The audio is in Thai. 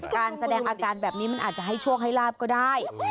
การแสดงอาการแบบนี้มันอาจจะให้โชคให้ลาบก็ได้